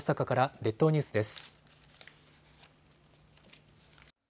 列島ニュースです。